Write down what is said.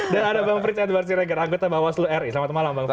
dan ada bang frits adhbar cireger anggota bawaslu ri selamat malam bang frits